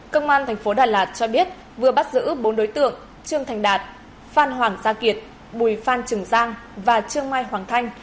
công an thành phố đà lạt cho biết vừa bắt giữ bốn đối tượng trương thành đạt phan hoàng gia kiệt bùi phan trường giang và trương mai hoàng thanh